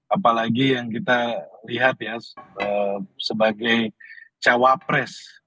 apalagi yang kita lihat ya sebagai cawapres